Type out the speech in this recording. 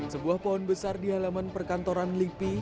sebuah pohon besar di halaman perkantoran lipi